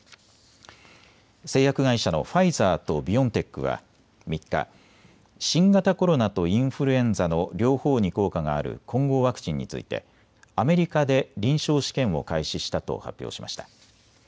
製薬会社のファイザーとビオンテックは３日、新型コロナとインフルエンザの両方に効果がある混合ワクチンについてアメリカで臨床試験を開始したと発表しました。